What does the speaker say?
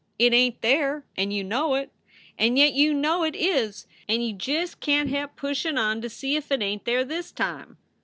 It ain t there, and you know it. And yet you know it is and you just can t he p pushin on to see if it ain t there this time.